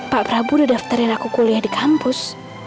pak prabu sudah daftarin aku kuliah di kampus